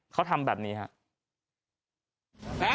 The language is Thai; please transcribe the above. เขาทำแบบนี้ครับ